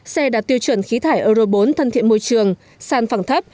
xe đạt tiêu chuẩn khí thải euro bốn thân thiện môi trường sàn phẳng thấp